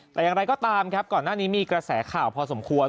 แต่อย่างไรก็ตามครับก่อนหน้านี้มีกระแสข่าวพอสมควร